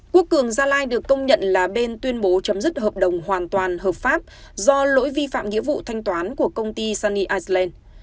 quốc cường gia lai được công nhận là bên tuyên bố chấm dứt hợp đồng hoàn toàn hợp pháp do lỗi vi phạm nghĩa vụ thanh toán của công ty sunny iceland